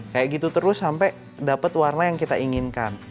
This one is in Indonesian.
kayak gitu terus sampai dapet warna yang kita inginkan